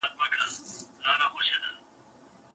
څنګه ژړل په ذهن کي راټول سوی خپګان پاکوي؟